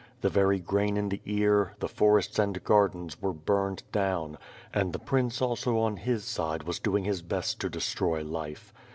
The very grain in the ear, the forests and gardens were burned down; and the prince also on his side was doing his best to destroy life.